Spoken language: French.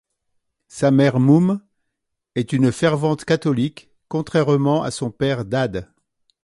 Sa mère Mum est une fervente catholique, contrairement à son père Dad.